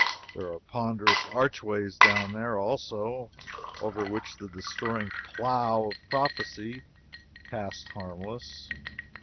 There are ponderous archways down there, also, over which the destroying "plough" of prophecy passed harmless.